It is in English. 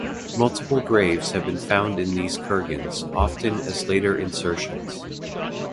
Multiple graves have been found in these kurgans, often as later insertions.